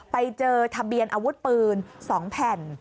ไปเจอทะเบียนอาวุธปืน๒แผ่น